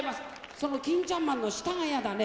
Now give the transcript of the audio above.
その欽ちゃんマンの下が嫌だね。